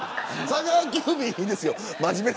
佐川急便いいですよ。